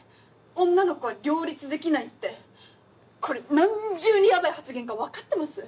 「女の子は両立できない」ってこれ何重にヤバい発言か分かってます？